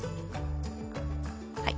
はい。